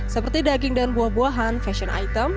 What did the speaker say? seperti daging dan buah buahan fashion item